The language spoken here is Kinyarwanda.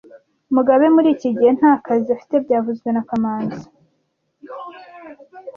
Mugabe muri iki gihe nta kazi afite byavuzwe na kamanzi